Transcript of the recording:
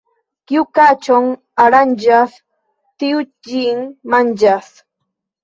Kiu kaĉon aranĝas, tiu ĝin manĝas.